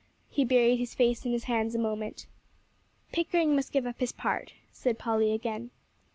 He buried his face in his hands a moment. "Pickering must give up his part," said Polly again.